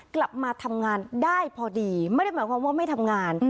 กลับมาทำงานได้พอดีไม่ได้หมายความว่าไม่ทำงาน